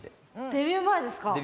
デビュー前です。